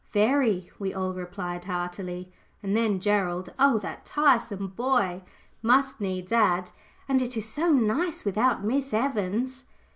"Very," we all replied, heartily. And then Gerald oh, that tiresome boy! must needs add "And it is so nice without Miss Evans!"